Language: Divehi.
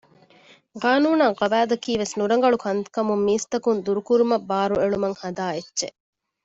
ޤާނޫނާއި ޤަވާއިދަކީ ވެސް ނުރަނގަޅު ކަންކަމުން މީސްތަކުން ދުރުކުރުމަށް ބާރުއެޅުމަށް ހަދާ އެއްޗެއް